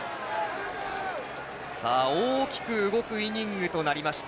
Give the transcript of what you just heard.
大きく動くイニングとなりました